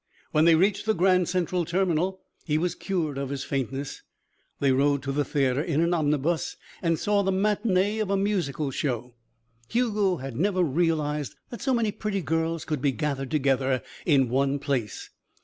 When they reached the Grand Central Terminal he was cured of his faintness. They rode to the theatre in an omnibus and saw the matinée of a musical show. Hugo had never realized that so many pretty girls could be gathered together in one place.